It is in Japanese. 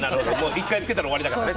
１回つけたら終わりだからね。